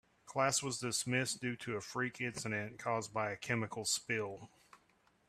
Class was dismissed due to a freak incident caused by a chemical spill.